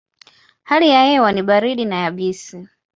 Hali ya hewa ni baridi na yabisi.